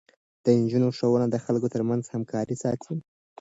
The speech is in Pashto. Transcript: د نجونو ښوونه د خلکو ترمنځ همکاري ساتي.